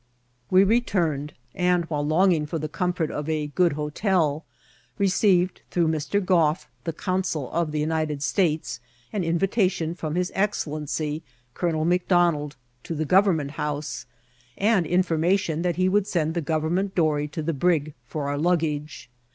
We returned ; and, while longing for the comfort of a good hotel, received through Mr. Goff, the consul of the United States, an invitation from his excellency, Colonel McDonald, to the Government House, and in* formation that he would send the government dory to the brig for our lu^age.